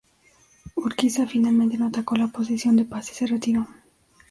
Urquiza finalmente no atacó la posición de Paz y se retiró.